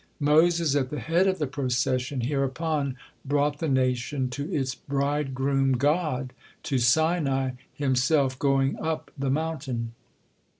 Moses, at the head of the procession, hereupon brought the nation to its bridegroom, God, to Sinai, himself going up the mountain.